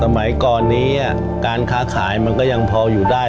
สมัยก่อนนี้การค้าขายมันก็ยังพออยู่ได้